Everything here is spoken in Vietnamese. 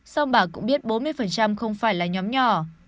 song bà cũng biết bốn mươi không phải là nhóm nhỏ